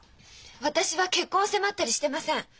私は結婚を迫ったりしてません！